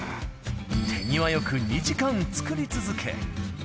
手際よく２時間作り続け。